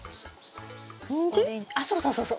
あっそうそうそうそう！